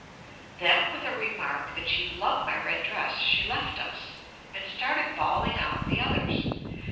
Then with a remark that she loved my red dress she left us, and started bawling out the others.